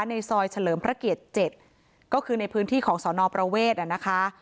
ในซอยเฉลิมพระเกียรติ๗ก็คือในพื้นที่ของสนประเวทนะคะ